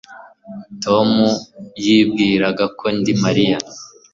Tom yibwiraga ko ndi Mariya